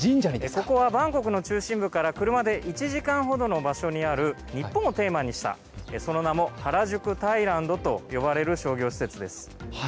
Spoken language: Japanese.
ここは、バンコクの中心部から車で１時間ほどの場所にある日本をテーマにした、その名もハラジュク・タイランドと呼ばれる商業施設です。